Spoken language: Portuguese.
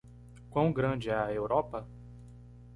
Quão grande é a Europa?